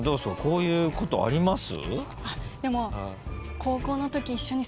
こういうことあります？